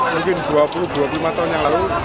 mungkin dua puluh dua puluh lima tahun yang lalu